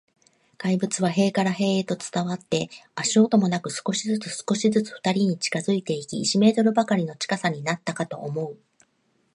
怪物は塀から塀へと伝わって、足音もなく、少しずつ、少しずつ、ふたりに近づいていき、一メートルばかりの近さになったかと思うと、